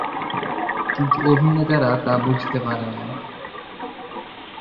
কিন্তু অভিনেতারা তা বুঝতে পারে না।